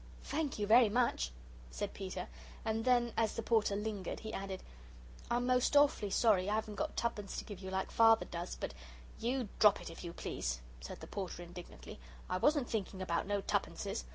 "Thank you very much," said Peter, and then, as the Porter lingered, he added: "I'm most awfully sorry I haven't got twopence to give you like Father does, but " "You drop it if you please," said the Porter, indignantly. "I wasn't thinking about no tuppences.